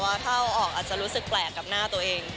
ว่าถ้าเอาออกอาจจะรู้สึกแปลกกับหน้าตัวเอง